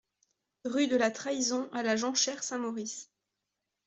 Rue de la Trahison à La Jonchère-Saint-Maurice